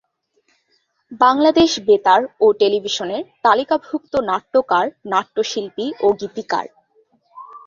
বাংলাদেশ বেতার ও টেলিভিশনের তালিকাভুক্ত নাট্যকার-নাট্যশিল্পী ও গীতিকার।